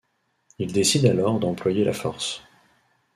Il décide alors d’employer la force.